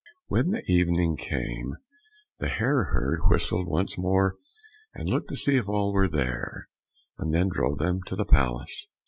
When the evening came the hare herd whistled once more, and looked to see if all were there, and then drove them to the palace.